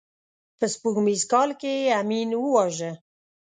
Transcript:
په سپوږمیز کال کې یې امین وواژه.